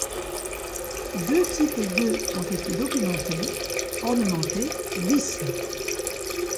Deux types d’œufs ont été documentés: ornementés ou lisses.